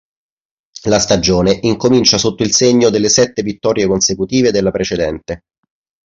La stagione incomincia sotto il segno delle sette vittorie consecutive della precedente.